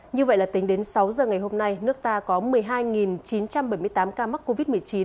như vậy là tính đến sáu giờ ngày hôm nay nước ta có một mươi hai chín trăm bảy mươi tám ca mắc covid một mươi chín